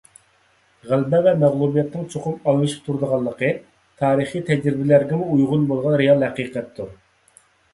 غەلىبە ۋە مەغلۇبىيەتنىڭ چوقۇم ئالمىشىپ تۇرىدىغانلىقى تارىخىي تەجرىبىلەرگىمۇ ئۇيغۇن بولغان رېئال ھەقىقەتتۇر.